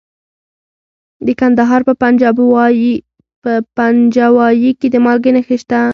د کندهار په پنجوايي کې د مالګې نښې شته.